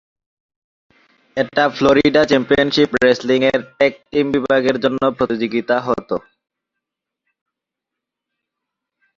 এটা Florida championship wrestling এর tag team বিভাগে এর জন্য প্রতিযোগিতা হত।